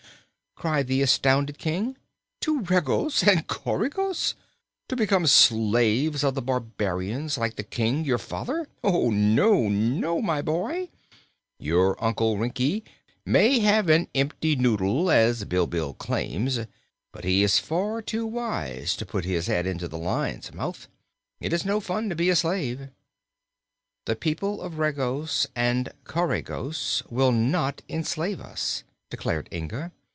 cried the astounded King. "To Regos and Coregos! To become slaves of the barbarians, like the King, your father? No, no, my boy! Your Uncle Rinki may have an empty noddle, as Bilbil claims, but he is far too wise to put his head in the lion's mouth. It's no fun to be a slave." "The people of Regos and Coregos will not enslave us," declared Inga.